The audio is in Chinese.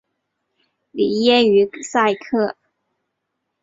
里耶于塞克。